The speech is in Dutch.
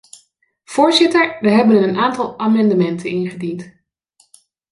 Voorzitter, wij hebben een aantal amendementen ingediend.